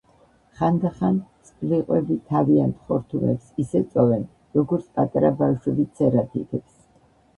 ხანდახან სპლიყვები თავიანთ ხორთუმებს ისე წოვენ, როგორც პატარა ბავშვები ცერა თითებს.